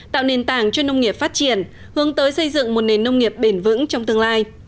tạo nền tảng cho nông nghiệp phát triển hướng tới xây dựng một nền nông nghiệp bền vững trong tương lai